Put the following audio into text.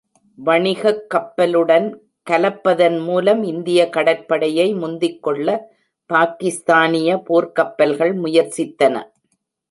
வணிகக் கப்பலுடன் கலப்பதன் மூலம் இந்திய கடற்படையை முந்திக்கொள்ள பாக்கிஸ்தானிய போர்க்கப்பல்கள் முயற்சித்தன.